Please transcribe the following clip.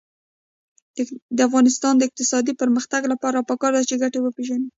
د افغانستان د اقتصادي پرمختګ لپاره پکار ده چې ګټې وپېژنو.